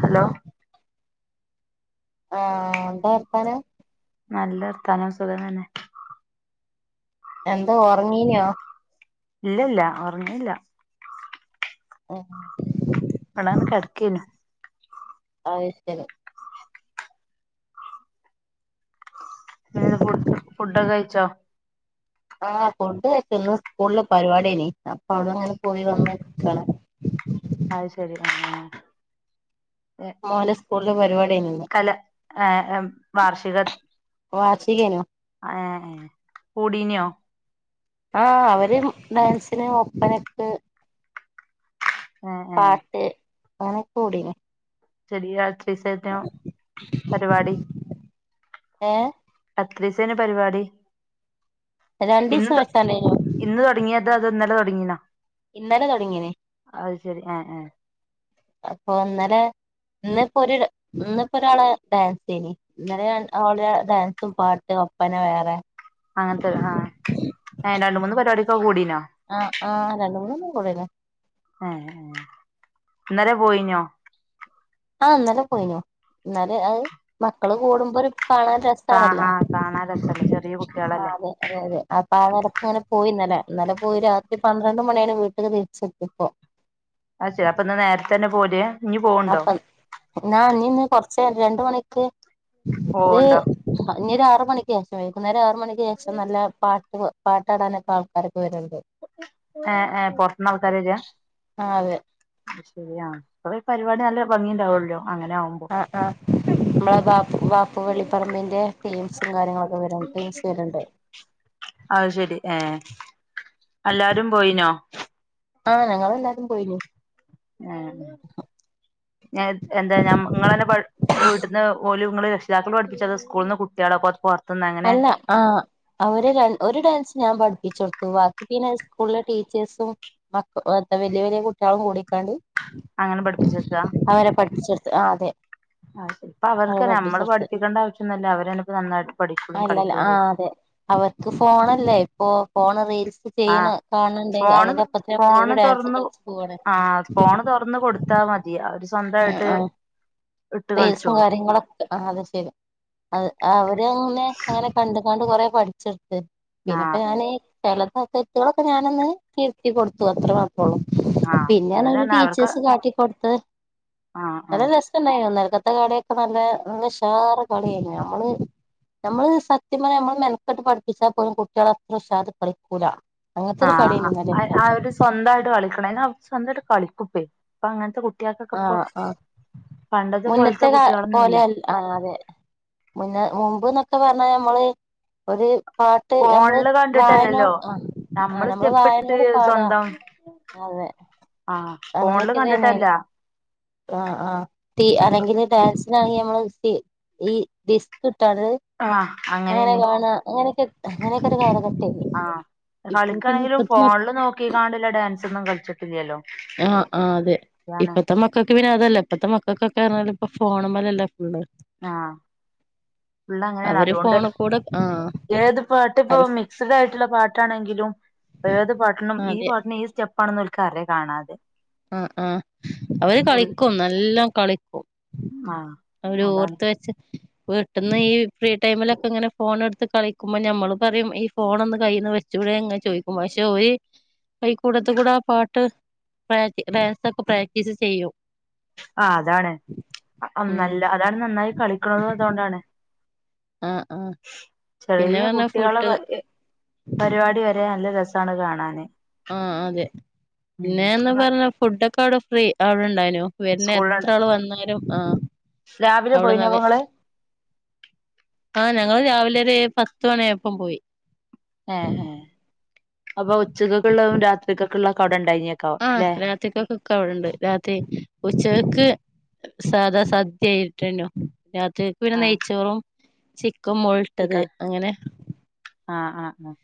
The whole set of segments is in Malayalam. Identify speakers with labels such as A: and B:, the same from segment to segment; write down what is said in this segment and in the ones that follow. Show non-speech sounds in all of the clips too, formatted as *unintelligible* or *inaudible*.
A: ഹലോ
B: ആഹ് എന്താർത്താനം
A: നല്ല വർത്താനം സുഖം തന്നെ
B: എന്താ ഒർങ്ങീനോ
A: ഇല്ല ഇല്ല ഒർങ്ങീല്ല ഇവ്ടന്ന് കെടക്കേനു
B: അയ് ശരി
A: പിന്നെത് ഫുഡ് ഫുഡൊക്കെ കഴിച്ചോ
B: ആഹ് ഫുഡ്‌ കയ്ച്ചു ഇന്ന് സ്കൂൾല് പരിപാടി അയിനി അപ്പൊ അവടെ ങ്ങനെ പോയി വന്നിരിക്കാണ്
A: അയ്ശരി ആഹ്
B: മോന്റെ സ്കൂളില് പരിപാടി ആയ്നുന്ന്
A: കല ഏഹ് വാർഷിക
B: വാഷികേനു
A: ഏഹ് കൂടീനോ
B: ആഹ് അവരും ഡാൻസിന് ഒപ്പനക്ക്
A: ഏഹ് ഏഹ്
B: പാട്ട് അയിനൊക്കെ കൂടീനു
A: ചെറിയ *unintelligible* പരിപാടി
B: ഏ
A: എത്രീസേനു പരിവാടി
B: രണ്ടീസം വെച്ചാണ്ടേയനു
A: ഇന്ന് തൊട്ങ്യേതാ അതൊ ന്നലെ തൊടങ്ങീനോ
B: ഇന്നലെ തൊടങ്ങിന്
A: അത് ശരി ഏഹ് ഏഹ്
B: അപ്പൊ ഇന്നലെ ഇന്നിപ്പോ ഒരു ഇന്നിപ്പോ ഒരാള ഡാൻസ് ചെയനി ഇന്നാല ആള അവൾടെ ഡാൻസും പാട്ട് ഒപ്പനെ വേറെ
A: അങ്ങനത്തെ ആഹ് ഏഹ് രണ്ട് മൂന്ന് പരിവാടിക്കൊക്കെ കൂടീനോ
B: ആഹ് ആഹ് രണ്ട്മൂന്നെണ്ണം കൂടീന്
A: ഏഹ് ഏഹ് ഇന്നലെ പോയിഞ്ഞോ
B: ആഹ് ന്നലെ പോയിനു ഇന്നാല അത് മക്കള് കൂടുമ്പോ ഒരു കാണാൻ രസ
A: ആഹ് ആഹ് കാണാൻ രസല്ലേ ചെറ്യെ
B: ആഹ്
A: കുട്ട്യേളല്ലേ
B: അതെ അതെ അതെ അപ്പൊ ആ നേരത്തെ ങ്ങനെ പോയി ഇന്നലെ പോയി രാത്രി പന്ത്രണ്ട് മണിയാണ് വീട്ടില്ക്ക് തിരിച്ച്ത്ത്യെപോ
A: അസെരി അപ്പൊ ഇന്ന് നേരത്തെന്നെ പോരെ
B: അപ്പൊ ആഹ് ഇനിന്ന് കൊറച്ച് രണ്ട് മണിക്ക് ഒരു
A: പോവ്ണ്ടോ
B: ഞ്ഞൊരു ആറ് മണിക്ക് ശേഷം വൈകുന്നേരം ആറു മണിക്ക് ശേഷം നല്ല പാട്ട് പാട്ടാടാനൊക്കെ ആൾക്കാരൊക്കെ വര്ണ്ട്
A: ഏ ഏ പൊർത്ത്ന്നാൾക്കാര് വെര
B: ആഹ് അതെ
A: അ ശരിയാ അപ്പൊ ഈ പരിപാടി നല്ല ഭംഗിണ്ടാവല്ലോ അങ്ങനെ ആവു
B: ആഹ് ആഹ് നമ്മളെ ബാപ്പു ബാപ്പു വെള്ളിപ്പറമ്പിന്റെ ടീംസും കാര്യങ്ങളൊക്കെ വര ടീംസ് വരണ്ട്
A: അത് ശരി ഏ എല്ലാരും പോയിനോ
B: ആഹ് ഞങ്ങൾ എല്ലാരും പോയിനു
A: ആഹ് എന്താ ഞാ നിങ്ങളന്നെ പ വീട്ട്ന്ന് ഓല് ങ്ങള് രക്ഷിതാക്കൾ പഠിപ്പിച്ചതാ സ്കൂളിന്ന് കുട്ടികളൊക്കെ *unintelligible*
B: അല്ല ആഹ് അവര് ഒരു ഡാൻസ് ഞാൻ പഠിപ്പിച്ച് കൊടുത്തു ബാക്കി പിന്നെ സ്കൂളിലെ ടീച്ചേഴ്സും മക്ക വലിയ വലിയ കുട്ടികളും കൂടിക്കാണ്ട്
A: അങ്ങനെ പഠിപ്പിച്ചക്കാ
B: അവരെ പഠിച്ചെടുത്ത് ആഹ് അതെ
A: ആത് ശെരി ഇപ്പ
B: അവരെ
A: അവർക്ക് നമ്മള്
B: പഠിപ്പിച്ചെടുത്ത്
A: പഠപ്പിക്കേണ്ട ആവശ്യംന്നുമല്ല അവര് തന്നെ ഇപ്പ നന്നായിട്ട് പഠിക്കുകയും
B: ആല്ലല്ല
A: കളിക്കുകയും
B: ആ
A: ചെയ്യും
B: അതെ അവർക്ക് ഫോണല്ലേ ഇപ്പോ ഫോൺ റീൽസ്
A: ആ
B: ചെയ്യണ കാണണ്ടെങ്കിൽ
A: ഫോണ്
B: അതിന്റെ ഒപ്പത്തിന് ഒപ്പോ
A: ഫോണ്
B: ഓര് ഡാൻസ്
A: തൊറന്ന്
B: കളിച്ച് പോവാണ്
A: ആ ഫോണ് തുറന്ന് കൊടുത്താ മതി അവര്
B: ആ
A: സ്വന്തായിട്ട്
B: ആ
A: ഇട്ട്
B: റീൽസും
A: കളിച്ചോളും
B: കാര്യങ്ങളൊ ആഹ് അത് ശെരി അത് അവര് അങ്ങനെ അങ്ങനെ കണ്ട്ങ്ങാണ് കൊറെ പഠിച്ചെടുത്ത് പിന്നെപ്പോ
A: ആഹ്
B: ഞാൻ ചെല തെറ്റുകളൊക്കെ ഞാനൊന്ന് തിരുത്തി കൊടുത്തു അത്രമാത്രം
A: ആഹ്
B: പിന്നെയാണ് അവര്
A: അതന്നെന്നെ അവർക്ക്
B: ടീച്ചേഴസ് കാട്ടിക്കൊടുത്തത്
A: ആഹ്
B: വളരെ
A: ആഹ്
B: രസണ്ടായി ഇന്നലക്കത്തെ കളറയൊക്കെ നല്ല ഉഷാറ്കളിയായിരുന്നു നമ്മള് നമ്മള് സത്യം പറഞ്ഞ നമ്മള് മെനക്കെട്ട് പഠിപ്പിച്ചാൽ പോലും കുട്ടികള അത്ര ഉഷാറിൽ കളിക്കൂലാ
A: ആഹ് അവര് സ്വന്തമായിട്ട് കളിക്കണം അ അവ സ്വന്തമായിട്ട് കളിക്കും പ്പേ ഇപ്പൊ അങ്ങനത്തെ കുട്ടികൾക്കൊക്കെ ഇപ്പൊ
B: ആഹ് ആഹ്
A: പണ്ടത്തെ പോലത്തെ
B: മുന്നത്തെ കാ
A: കുട്ടികളൊന്നും
B: പോലെ
A: അല്ല
B: ആഹ് അതെ മുന്നേ മുമ്പ്ന്നൊക്കെ പറഞ്ഞാ നമ്മള് ഒരു പാട്ട് നമ്മള്
A: ഫോണില് കണ്ടിട്ടല്ലല്ലോ
B: വായനോട് ആഹ് ആഹ് നമ്മള്
A: സ്റ്റെപ്പ് ഇട്ടിട്ട്
B: വായനോട് പാടുക
A: സ്വന്തം
B: അതെ
A: ആഹ് ഫോണില്
B: അങ്ങനെയൊക്കെ തനെ
A: കണ്ടിട്ടല്ല
B: ആഹ് ആഹ് തീ അല്ലെങ്കിൽ ഡാൻസിനാണെങ്കിൽ നമ്മള് ഈ ഡിസ്ക് കിട്ടാണ്
A: ആഹ് ആ
B: അങ്ങനെ കാണ അങ്ങനെയൊക്കെ അങ്ങനെയൊക്കെ ഒരു കാലഘട്ടേ
A: ആഹ് കളിക്കാണെങ്കിലും ഫോണില് നോക്കിക്കാണ്ടില്ല ഡാൻസൊന്നും കളിച്ചിട്ടില്ലല്ലോ
B: ആഹ് ആഹ് അതെ
A: അതാണ്
B: ഇപ്പൊത്തെ മ മക്കൾക്ക് പിന്നെ അതല്ല ഇപ്പത്തെ മക്കൾക്കൊക്കെ പറഞ്ഞ ഇപ്പ ഫോണുമേലല്ലെ ഫുള്
A: ആഹ് ഫുള്ള് അങ്ങനെയാണ്
B: അവര്
A: അതുകൊണ്ട്
B: ഫോണ് കൂടെ ആഹ്
A: ഏത് പാട്ട് ഇപ്പൊ
B: അവര്
A: മി ക്ഡ് ആയിട്ടുള്ള പാട്ടാണെങ്കിലും ഏത് പാട്ടിനും ഈ
B: അതെ
A: പാട്ടിന് ഈ സ്റ്റെപ്പ് പണം നോൽക്കറിയാം കാണാതെ
B: ആഹ് ആഹ് അവര്
A: ഫുൾ
B: കളിക്കും നല്ലോം കളിക്കും
A: ആഹ്
B: അവര്
A: അതാണ്
B: ഓർത്ത് വെച്ച് വീട്ടന്ന് ഈ ഫ്രീ ടൈമിലൊക്കെ ഇങ്ങനെ ഫോൺ എടുത്ത് കളി ക്കുമ്പോ ഞമ്മള് പറയും ഈ ഫോൺ ഒന്ന് കയ്ൽന്ന് വെച്ചൂടെ ഇങ് ചോദിക്കുമ്പോ പക്ഷെ ഓര് അയിക്കൂടത്തു കൂട ആ പാട്ട് പ്രാക് വേസൊക്കെ പ്രാക്ടീസ് ചെയ്യും
A: അഹ് അതാണ്
B: ഉം
A: നല്ല അതാണ് നന്നായി കളിക്കണതും അതുകൊണ്ടാണ്
B: ആഹ്ആഹ്
A: ചെറിയ കുട്ടികള പരിപാടി വരെ നല്ല രസമാണ് കാണാന്
B: ആഹ് അതെ
A: ഉം
B: പിന്നെന്ന് പറഞ്ഞ ഫുഡൊക്കെ അവിടെ ഫ്രീ അവിടെണ്ടായിനു വരുന്ന എത്ര
A: സ്കൂളിലാണ്
B: ആള് വന്നാലും ആഹ്
A: രാവിലെ
B: അവിടെന്ന്
A: പോയിനങ്ങള്
B: ആ ഞങ്ങൾ രാവിലെ ഒരു പത്ത് മണി ആയപ്പം പോയി
A: ഏഹ് അപ്പൊ ഉച്ചക്കൊക്കുള്ളതും രാത്രികൊക്കുള്ളതകട ഉണ്ടഞ്ഞ
B: ആഹ് രാത്രിക്കൊക്ക് അവിടെണ്ട് രാത്രി ഉച്ചകക്ക് സാദാ സദ്യ ആയിട്ടന്നോ രാത്രിക്ക് പിന്നെ
A: ആഹ്
B: നെയ്ച്ചോറും ചിക്കും മുൾ
A: ഇക്ക
B: വിട്ടത് അങ്ങനെ
A: ആഹ് ആഹ് ആഹ്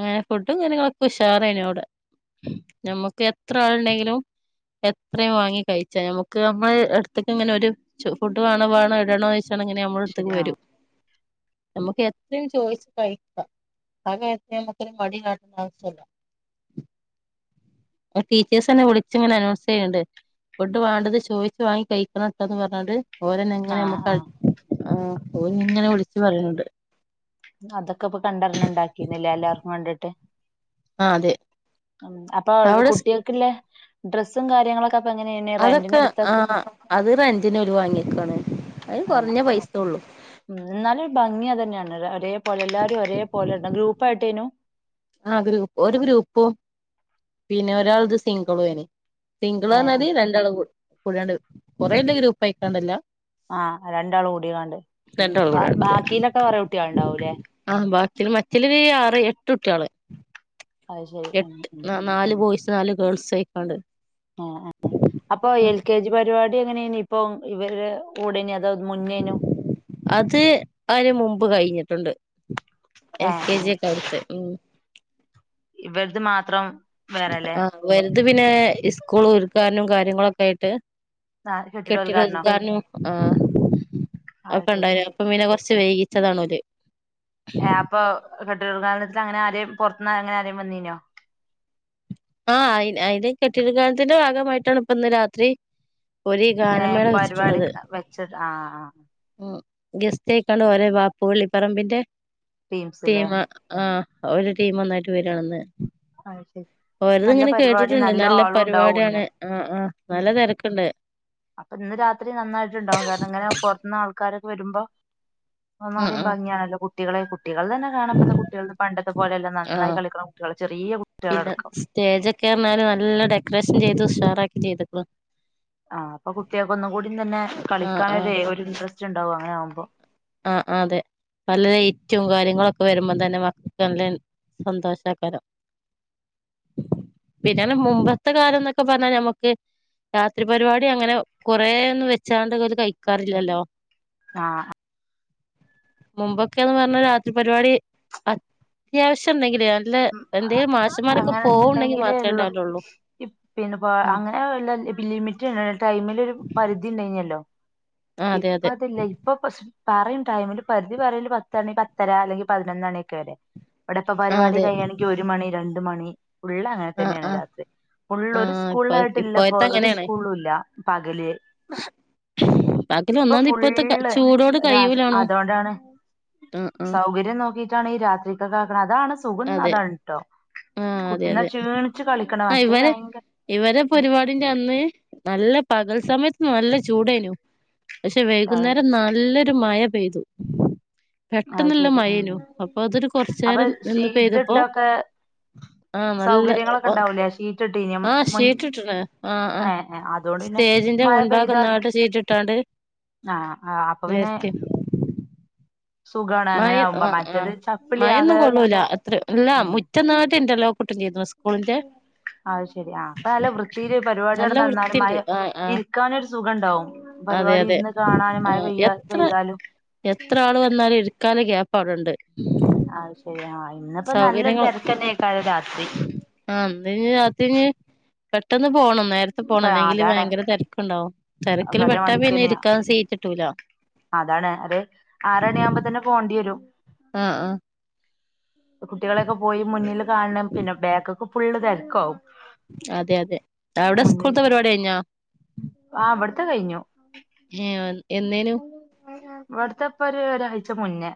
B: ഏഹ് ഫുഡും കാര്യങ്ങളൊക്കെ ഉഷാറേയ്നി അവ്ടെ ഞമ്മക്ക് എത്ര ആള്ണ്ടെങ്കിലും എത്രിം വാങ്ങി കഴിച്ചാ നമുക്ക് നമ്മള് എട്ത്ത്ക്ക് ഇങ്ങനെ ഓര് ചൊ ഫുഡ് വാണോ വാണോ ഇടണോന്നോ യ്ച്ച്ങ്ങാണ്ട് ഇങ്ങനെ ഞമ്മളെ
A: ശരി
B: എട്ത്ത്ക്ക്
A: ആഹ്
B: വരും ഞമ്മക്ക് എ ത്രിം ചോയിച്ച് കഴിക്കാ ആ കാര്യത്തില് ഞമ്മക്കൊര് മടി കാട്ടെണ്ട ആവശ്യല്ല ടീച്ചേഴ്സെന്നെ വുളിച്ചിങ്ങനെ അനൗൺസ് ചെയ്യ്ണ് ണ്ട് ഫുഡ് വാണ്ടത് ചോയിച്ച് വാങ്ങി കഴിക്കണംട്ടോന്ന് പർഞ്ഞാണ്ട് ഓരെന്ന ഇങ്ങനെ
A: ആഹ്
B: ഞമ്മക്കത്
A: ആഹ്
B: ആഹ് ഓര് ഇങ്ങനെ വിളിച്ച് പറയുന്നുണ്ട്.
A: അതൊക്കെപ്പൊ കണ്ടറിഞ്ഞ് ഇണ്ടാക്കെന്നെല്ലേ എല്ലാർക്കും വാണ്ടിട്ട്.
B: ആഹ് അതെ.
A: ഉം. അപ്പ അത്‌
B: അവിടെ
A: കുട്ടികക്ക്ള്ളേ ഡ്രസ്സും കാര്യങ്ങളൊക്കെ അപ്പ എങ്ങനേയ്നി
B: അതൊക്കെ
A: റെന്റിന്
B: ആ
A: ഇട്ത്തെക്കാ
B: അത് റെന്റിന് ഓര് വാങ്ങിക്കേണ് അത്
A: ഏഹ്
B: കൊറഞ്ഞ പൈസ്യൊള്ളൂ.
A: ഉം ന്നാലും ഒരു ഭംഗി അതെന്നെയാണ് ഒരേ പോലെ എല്ലാരും ഒരേപോലെ ഇടണം ഗ്രൂപ്പായിട്ടേയ്നു
B: ആഹ് ഗ്രൂപ്പ് ഒരു ഗ്രൂപ്പും പിന്നെ ഒരാൾത് സിംഗ്ളും ഏയ്നി സിംഗ്ള്
A: ഏഹ്
B: പർഞ്ഞാല് രണ്ടാള് കൂ കൂടിയാണ്ട് കൊറെഇല്ല ഗ്രൂപ്പായിക്കാണ്ടല്ല.
A: ആഹ് രണ്ടാള് കൂടികാണ്ട്
B: രണ്ടാള്
A: ബാ ബാക്കിലൊക്കെ കൊറേ കുട്ട്യാള് ഇണ്ടാവുല്ലേ.
B: ആഹ് ബാക്കി മറ്റീലൊര് ആറ് എട്ട് കുട്ട്യാള്.
A: അത് ശെരി ഉം ഉം
B: നാല് ബോയ്സും നാല് ഗേൾസും അയ്ക്കാണ്ട്
A: ആഹ് ആഹ് ആഹ് അപ്പൊ എൽ കെ ജി പരിവാടി എങ്ങനേയ്നി ഇപ്പൊ ഇവര്ടെ കൂടെന്നെ അതോ മുന്നേയ്നു
B: അത് അയ്ന് മുമ്പ് കഴിഞ്ഞിട്ടുണ്ട് എൽ കെ
A: ഏഹ്
B: ജി ഒക്കെ അവ്ട്ത്തെഹ് ഉം ഉം
A: ഇവെൽത് മാത്രം വേറെല്ലേ
B: ആഹ് ഇവറൽത് പിന്നെ ഇസ്കൂള് ഒര്ക്കാനും കാര്യങ്ങളൊക്കെ ആയിട്ട്
A: ആഹ്
B: കെട്ടിടോ
A: കെട്ടിടോദ്ഘാടനോ
B: ഉത്ഘാടനും ആഹ്
A: അത്
B: അഒക്കെ
A: ശരി
B: ഇണ്ടായ്നു അപ്പൊ പിന്നെ കൊർച്ച് വൈകിച്ചതാണ് ഓല്.
A: ആഹ്അപ്പൊ കെട്ടിടോഉൽഘാടനത്തിന് അങ്ങനെ ആരേം പൊർത്ത്ന്ന് അങ്ങനെ ആരേം വന്നീനോ
B: ആഹ് അയ്ന് അയ്ന് കെട്ടിട ഉത്‌ഘാടനത്തിന്റെ ഭാഗമായിട്ടാണ് ഇപ്പ ഇന്ന് രാത്രി ഓര്
A: ഏ
B: ഗാനമേള
A: പരിപാടി
B: വെച്ച്ട്ട്ള്ളത്.
A: വെച്ച ആ
B: ഉം ഗസ്റ്റ് അയ്ക്കാണ്ട് ഓരെ വാപ്പു വെള്ളിപ്പറമ്പിന്റെ
A: ടീംസ്ല്ലേ
B: ടീമ് ആഹ് ആ ഓര് ടീം ഒന്നായിട്ട് വെരാന്ന്.
A: അത് ശരി നല്ല പരിപാടിം
B: കേട്ടിട്ടുണ്ട്
A: നല്ലൊ
B: നല്ല
A: ആളും ഇണ്ടാവും
B: പരിപാടിയാണ്
A: ന്ന്
B: ആ ആ
A: ഉം
B: നല്ല തിരക്കുണ്ട്
A: അപ്പൊ ഇന്ന് രാത്രി നന്നായിട്ട്ണ്ടാവും കാരണം ഇങ്ങനെ പൊർത്ത്ന്ന് ആൾക്കാരൊക്കെ വെരുമ്പൊ
B: ആ
A: ഒന്നുകൂടി
B: ആ
A: ഭംഗിയാണല്ലോ കുട്ടികള് കുട്ടികൾതന്നെ കാണാൻ പ്പത്തെ കുട്ടികൾത് പണ്ട ത്തെപോലെ അല്ല
B: ആ
A: നന്നായി കളിക്ക്ണ കുട്ടികള്
B: പിന്നെ സ്റ്റേജെക്കെ പർഞ്ഞാല് നല്ല ഡെക്കറേഷൻ ചെയ്ത് ഉഷാറാക്കിം ചെയ്ത്ക്ക്ണ്
A: ആഹ് അപ്പ കുട്ട്യാക്ക് ഒന്നും കൂടി തന്നെ
B: ആഹ് ആഹ്
A: കളിക്കാനൊരെയ് ഒരു ഇൻട്രസ്റ്റ് ഇണ്ടാവും അങ്ങനെ ആവുമ്പൊ
B: ആഹ് ആഹ് അതെ പല ലൈറ്റും കാര്യങ്ങളൊക്കെ വെരുമ്പംതന്നെ മക്കൾക്ക് നല്ല ഇൻ സന്തോഷാക്കാരം പിന്നെ പർഞ്ഞ മുമ്പത്തെ കാലംന്നൊക്കെ പർഞ്ഞാ ഞമ്മക്ക് രാത്രി പരിവാടി അങ്ങനെ കൊറേ ഒന്നും വെച്ചാണ്ട് ഒക്കെഓല് കഴിക്കാറില്ലല്ലോ.
A: ആഹ് അ
B: മുമ്പൊക്കേന്ന് പർഞ്ഞാ രാത്രി പരിപാടി അത്യാവശ്യം ഇണ്ടെങ്കിലെ ഓ ല്ല് എന്തേലും മാഷ്മ്മാരൊക്കെ
A: അങ്ങനെ
B: പോവ്ണ്ടെങ്കി
A: ഉണ്ടെങ്കിലേ
B: മാത്രേ
A: ഉള്ളു
B: ഇണ്ടാവലൊള്ളു
A: പിന്നെ
B: ആഹ്.
A: അങ്ങനെ ലിമിറ്റ് ഇണ്ടായ്നി ടൈമ്ല് ഒരു പരിധി ഇണ്ടേയ്ന്യെല്ലോ
B: അതെ
A: ഇപ്പൊ
B: അതെ
A: അത് ഇല്ല ഇ ഇപ്പൊ പക്ഷെ പറയും ടൈമില് പരിധി പറയല് പത്തണി പത്തര അല്ലെങ്കി പതിനൊന്നണിയൊക്കെ വെരെ. ഇവിടെ ഇപ്പ
B: ആഹ്
A: പരിപാടി
B: അതെ
A: കഴിയാണെങ്കി ഒരു മണി രണ്ട് മണി ഫുള്ള് അങ്ങനെ
B: ആഹ്
A: തന്നെയാണ്
B: ആഹ്
A: രാത്രി ഫുള്ള് ഒരു
B: ആഹ് ഇപ്പ
A: സ്കൂളായിട്ടില്ലപ്പോ
B: ഇപ്പോഴത്തെ
A: ഒരു സ്കൂളുല്ല. പകല്.
B: ബാക്കിന്
A: ഇപ്പൊ
B: ഒന്നാമതിപ്പത്തെ
A: ഫുള്ള്
B: ചൂടോണ്ട്
A: രാത്രി.
B: കയിയിലൊന്നു
A: അതുകൊണ്ടാണ് സൗകര്യം നോക്കിട്ടാണ് ഈ രാത്രിക്കൊക്കെ അക്കണത് അതാണ് സുഖം
B: അതെ
A: അതാണ് ട്ടോ.
B: ആഹ് അതെ
A: കുട്ടീന്ന
B: അതെ
A: ക്ഷീണിച്ചു കളിക്കണ
B: ആഹ്
A: മറ്റേത്
B: ഇവരെ
A: ഭയങ്കര
B: ഇവരെ പരുപാടിടന്ന് നല്ല പകൽ സമയത്ത് നല്ല ചൂടെനു പക്ഷെ
A: അത്
B: വൈകുന്നേരം നല്ലൊരു മഴ പെയ്തു.
A: അത്
B: പെട്ടെന്ന്ള്ള
A: ശരി ഉം
B: മഴേനു അപ്പൊ അതൊരു
A: അപ്പൊ
B: കുറചെരം നിന്ന്
A: ഷീറ്റ്
B: പെയ്തപ്പോ
A: ഇട്ടൊക്കെ
B: ആഹ് നല്ല
A: സൗകര്യങ്ങളൊക്കെ ഉണ്ടാവൂലേ ഷീറ്റ് ഇട്ടീനോ
B: ആഹ്
A: മുൻ
B: ഷീറ്റിട്ടണ് ആഹ്
A: ഏ
B: ആഹ്.
A: ഏ അതുകൊണ്ട് പിന്നെ
B: സ്റ്റേജിന്റെ
A: മഴ
B: മുൻഭാഗം നാട്ട സീറ്റിട്ടാണ്ട്
A: അ ആഹ് അപ്പൊ പിന്നെ സുഖാണ് അങ്ങനെ
B: മയ
A: ആകുമ്പോ
B: ആഹ്
A: മറ്റേത്
B: ആഹ്
A: ചപ്പിളി
B: മയൊന്നും
A: ആകെ
B: കൊള്ളൂല്ല അത്ര എല്ല
A: ഏ
B: മുറ്റന്നായിട്ട് ഇന്റർലോക്കൂട്ടും ചെയ്ത് മോളിന്റെ
A: അത് ശെരി ആഹ് അപ്പൊ നല്ല വൃത്തിയില് പരിപാടിയടെ
B: നല്ല
A: നടന്നാലും മ
B: വൃത്തിണ്ട് ആഹ് ആഹ്
A: ഇരിക്കാനൊരു സുഖണ്ടാവും
B: അതെ
A: പരിപാടി
B: അതെ
A: ഇരുന്ന് കാണാനും മഴ
B: ആഹ്
A: പെയ്യ
B: എത്ര
A: പെയ്താലും
B: എത്ര ആള് വന്നാലും ഇരിക്കാള്ള ഗ്യാപ്പാവടുണ്ട്
A: അത് ശരിയാ ആഹ് ഇന്നിപ്പോ നല്ലൊരു
B: സൗകര്യങ്ങൾ
A: തിരക്കന്നെയ്ക്കാരം രാത്രി
B: ആഹ് ഇന്നെനി രാത്രിനി പെട്ടെന്ന് പോണം നേരത്തെ
A: ഇപ്പ
B: പോണം അല്ലെങ്കില്
A: അതാണ്
B: വയങ്കര തിരക്കുണ്ടാവും തിരക്കില്
A: പറയാൻ
B: പെട്ടാ പിന്നെ
A: വേണ്ടിക്കന്നെയാ
B: ഇരിക്കാന്ന് സീറ്റ് കിട്ടൂല
A: അതാണ് അതേ ആറണി ആമ്പോ തന്നെ പോണ്ടി വരും
B: ആഹ് ആഹ്
A: കുട്ടികളെയൊക്കെ പോയി മുന്നില് കാണണം പിന്നെ ബാക്കൊക്കെ ഫുള്ള് തിരക്കാവും
B: അതെ അതെ അവിടെ സ്കൂൾത്തെ പരിപാടി കഴിഞ്ഞാ
A: ആഹ് ഇവിടുത്തെ കഴിഞ്ഞു
B: ഹേ എന്ന്
A: ഇവിടത്തെപ്പ ഒരു ഒരാഴ്ച മുന്നേ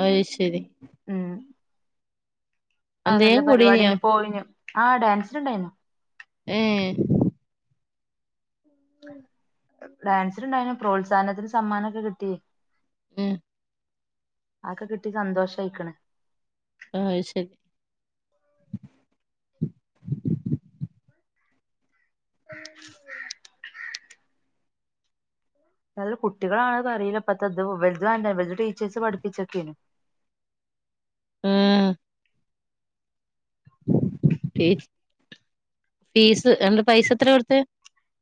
B: അയ് ശരി
A: ഉം ആഹ് നല്ല
B: എന്തേലും കൂടീനിയോ
A: പരിപാടിന് പോയിനു ആഹ് ഡാൻസിനിണ്ടായിരുന്നു
B: ഏഹ്
A: ഡാൻസിനുണ്ടായിരുന്നു പ്രോത്സാഹനത്തിന് സമ്മാനോക്കെ കിട്ടി
B: ഉം
A: ആ ഒക്കെ കിട്ടി സന്തോഷായിക്കണ്
B: ആഹ് അയ് ശരി
A: *inaudible* നല്ല കുട്ടികളാണ് പറിയില്ല ഇപ്പതെത് ഇവല്ത് ഇവലെ ടീച്ചേഴ്സ് പഠിപ്പിച്ചൊക്കേനു
B: ആഹ് ഫീസ് ഫീസ് അന്റെ പൈസ എത്രയാ കൊടുത്തെ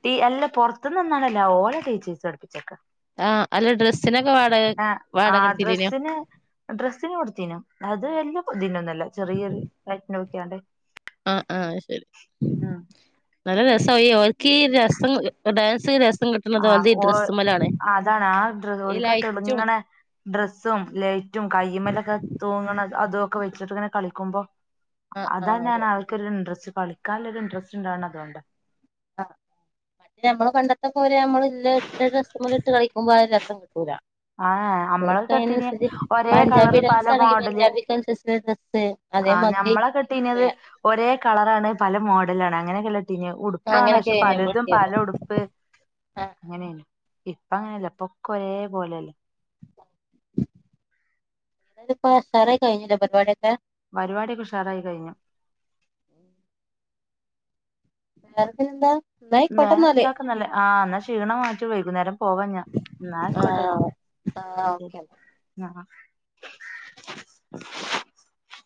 A: ടീ അല്ല പുറത്ത്ന്ന് വന്നതല്ല ഓലെ ടീച്ചേസ് പഠുപ്പിച്ചക്കെ
B: ആഹ് അല്ല ഡ്രെസ്സിനോക്കെ വാട
A: ആ
B: വാടാകടത്തില്ലെന്നോ
A: ഡ്രസ്സിന് ഡ്രസ്സിന് കൊടുത്തീനു അത് എല്ലാം പുതിന്ന ഒന്നുല്ല ചെറിയൊരു റൈറ്റ്ന് നോക്ക്യാണ്ട്
B: ആഹ് ആഹ് ശരി നല്ല രസായി ഓർക്കീ രസം ഡാൻസ് രസ
A: ആഹ് ഓ അതാണ് ആ
B: ഈ
A: ഡോൽക്ക
B: ലൈറ്റും
A: തെളുങ്ങണെ ഡ്രസ്സും ലേറ്റും കയ്യുമല്ലൊക്കെ തൂങ്ങണ അതോക്കെ വെച്ചിട്ട് ഇങ്ങനെ കളിക്കുമ്പോ
B: ആഹ്
A: അതാ
B: ആഹ് അതെ
A: ഞാൻ ആൾക്കൊരു ഇൻട്രസ്റ്റ് കളിക്കാല്ലോരു ഇൻട്രസ്റ്റ് ണ്ടാവ്ണെ അതോണ്ടാ
B: അഹ് പിന്നെ നമ്മള് പണ്ടത്തെ പോരെ അമ്മള് ഇല്ലെ ഇട്ട് രെസ്മെലിട്ട് കളിക്കുമ്പോ ആ ഒരു രസം കിട്ടൂല
A: ആഹ് നമ്മളെ കെട്ടീന്
B: ഓക്കയ്നൻസെച്ച്
A: ഒരേ കളറ്
B: പഞ്ജാബി
A: പല
B: ഡസ്സാണെങ്കി
A: മോഡല്
B: പഞ്ജാബി കൻസസ്ള്ള ടെസ്സ്
A: ആ
B: അതേമാത്രി
A: ഞമ്മളെ
B: പേ
A: കെട്ടീനത് ഒരേ കളറാണ് പല മോഡലാണ് അങ്ങനെയൊക്കെല്ലെട്ടീന്യേ ഉടുപ്പാണ് പക്ഷെ
B: അങ്ങനെയൊക്കെ നമ്മൾ
A: പലതും പല
B: ഇട്ടീന്നത്
A: ഉടുപ്പ്
B: ആഹ്
A: അങ്ങനെനി ഇപ്പ അങ്ങനെല്ല ഇപ്പൊക്കെ ഒരേ പോലെയല്ലേ
B: *unintelligible* പ സറേ കഴിഞ്ഞീലെ പരിവാട്യൊക്കെ
A: പരിവാട്യൊക്കെ ഉഷാറായി കഴിഞ്ഞു
B: നറതിലെന്താ
A: വേറെ എന്താക്കുന്നല്ലേ ആ ന്നാ ക്ഷീണം മാറ്റു വൈകുന്നേരം പോവാ ഞാൻ ന്നാ ആയിക്കോട്ടെ
B: ആഹ് ആഹ് ഓക്കെ ഓക്കെ
A: ആഹ് ആഹ്